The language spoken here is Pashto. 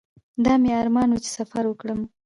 دا مې ارمان و چې سفر وکړم.